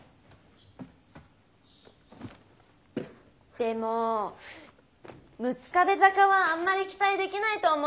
でもォ六壁坂はあんまり期待できないと思いますよ？